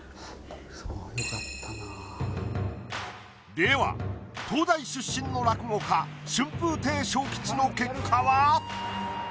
では東大出身の落語家春風亭昇吉の結果は？